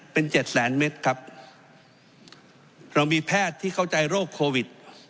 เป็นเจ็ดแสนเมตรครับเรามีแพทย์ที่เข้าใจโรคโควิด